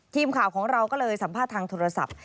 ทีมข่าวของเราก็เลยสัมภาษณ์ทางโทรศัพท์